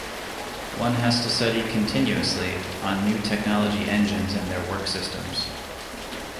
One has to study continuously on new technology engines and their work systems.